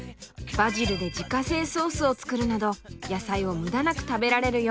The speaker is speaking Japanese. バジルで自家製ソースを作るなど野菜を無駄なく食べられるよう工夫もしているんです！